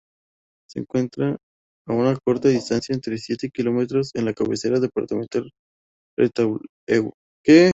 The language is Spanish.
Se encuentra a una corta distancia de siete kilómetros de la cabecera departamental Retalhuleu.